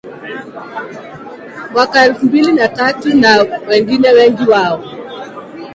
mwaka elfu mbili na tatu na wengine wengi wao